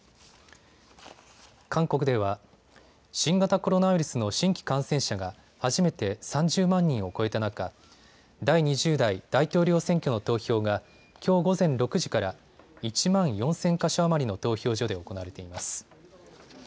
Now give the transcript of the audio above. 韓国では新型コロナウイルスの新規感染者が初めて３０万人を超えた中、第２０代大統領選挙の投票がきょう午前６時から１万４０００か所余りの投票所で行われています。